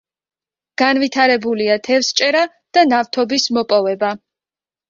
განვითარებულია თევზჭერა და ნავთობის მოპოვება.